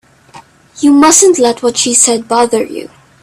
You mustn't let what she said bother you.